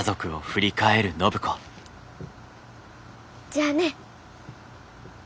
じゃあね。